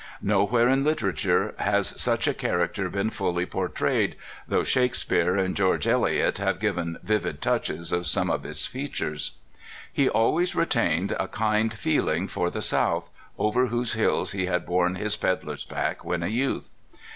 Nowhere in litera ture has such a character been fully portrayed, though Shakespeare and George Eliot have given vivid touches of some of its features. He always retained a kind feeling for the South, over whose hills he had borne his peddler's pack when a youth.